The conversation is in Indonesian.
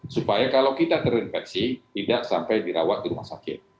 supaya kalau kita terinfeksi tidak sampai dirawat di rumah sakit